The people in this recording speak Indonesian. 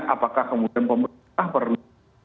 apakah kemudian pemerintah perlu